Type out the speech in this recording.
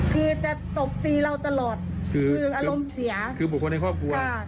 คือจะตบตีเราตลอดคืออารมณ์เสียคือบุคคลในครอบครัวค่ะ